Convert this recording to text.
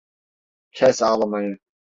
Kes ağlamayı!